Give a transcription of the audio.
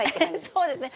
そうですね。